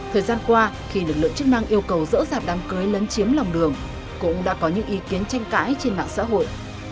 thời gian qua khi lực lượng chức năng yêu cầu dỡ dạp đám cưới lấn chiếm lòng đường cũng đã có những ý kiến tranh cãi trên mạng xã hội